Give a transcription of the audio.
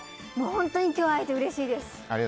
本当に今日は会えてうれしいです。